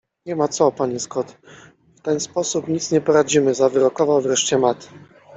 Nie ma co, panie Scott, w ten sposób nic nie poradzimy zawyrokował wreszcie Matt.